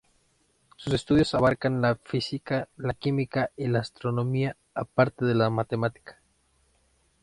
Sus estudios abarcan la Física, la Química, y la Astronomía, aparte de la Matemática.